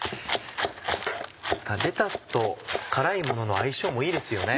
レタスと辛いものの相性もいいですよね。